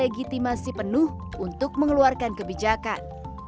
sehingga kebijakan mereka masih penuh untuk mengeluarkan kebijakan